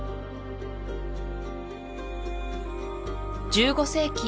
１５世紀